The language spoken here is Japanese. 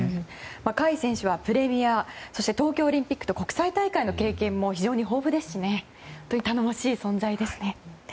甲斐選手はプレミア、東京オリンピックと国際大会の経験も豊富ですから頼もしい存在ですね。